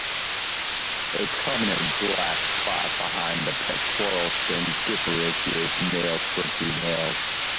A prominent black spot behind the pectoral fins differentiates males from females.